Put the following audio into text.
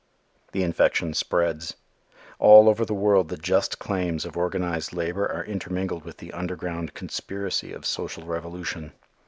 The infection spreads. All over the world the just claims of organized labor are intermingled with the underground conspiracy of social revolution.